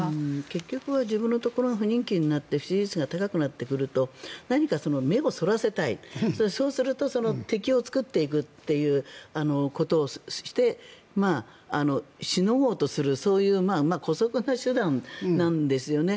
結局は自分のところが不人気になって不支持率が高くなってくると目をそらせたいそうすると敵を作っていくということをしてしのごうとする、そういう姑息な手段なんですよね。